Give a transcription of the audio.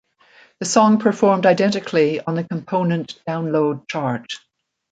The song performed identically on the component Download chart.